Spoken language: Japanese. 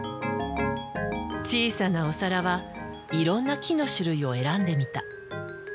小さなお皿はいろんな木の種類を選んでみた。